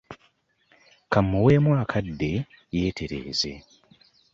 Ka mmuweemu akadde yeetereeze.